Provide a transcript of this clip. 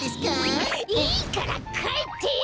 いいからかえってよ！